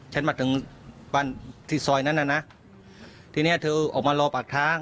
ทำไมถึงบ้านที่สอยนั้นนะทีนี้จะออกมารอปากทั้ง